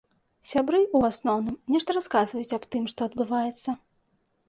Сябры, у асноўным, нешта расказваюць аб тым, што адбываецца.